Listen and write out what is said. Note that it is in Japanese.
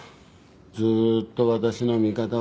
ずっと私の味方は。